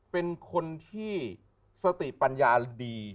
เป็นคนที่สติปัญญาดี